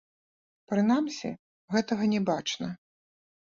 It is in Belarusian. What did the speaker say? Прынамсі, гэтага не бачна.